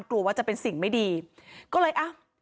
กลัวว่าจะเป็นสิ่งไม่ดีก็เลยอ้าว